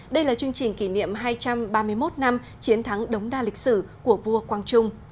đây là chương trình kỷ niệm hai trăm ba mươi một năm chiến thắng đống đa lịch sử của vua quang trung